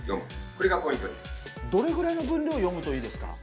どれぐらいの分量読むといいですか？